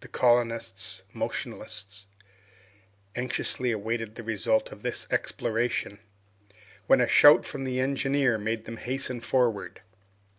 The colonists, motionless, anxiously awaited the result of this exploration, when a shout from the engineer made them hasten forward.